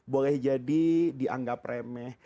boleh jadi dianggap remeh